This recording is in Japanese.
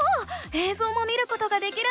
えいぞうも見ることができるんだ。